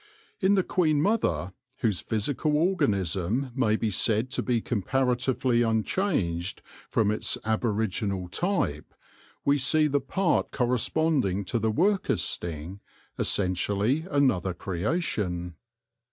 In the queen mother, whose physical organism may be said to be comparatively unchanged from its ab original type, we see the part corresponding to the worker's sting, essentially another creation.